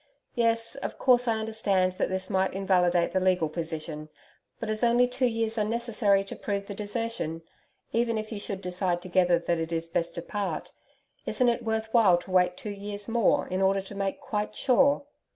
Yes, of course I understand that this might invalidate the legal position. But as only two years are necessary to prove the desertion even if you should decide together that it is best to part isn't it worth while to wait two years more in order to make quite sure?